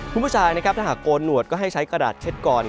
คุณผู้ชายนะครับถ้าหากโกนหนวดก็ให้ใช้กระดาษเช็ดก่อน